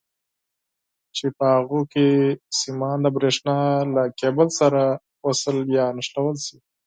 چې په هغو کې سیمان د برېښنا له کیبل سره وصل یا ونښلول شي.